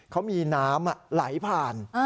เขามีน้ำไหลผ่าน